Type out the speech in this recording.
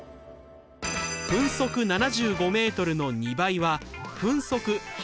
分速７５ｍの２倍は分速１５０ｍ。